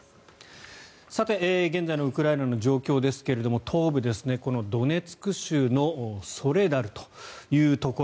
現在のウクライナの状況ですが東部、このドネツク州のソレダルというところ。